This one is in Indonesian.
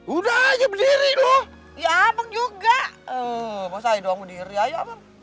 udah aja berdiri loh ya apa juga masa dong diri ayo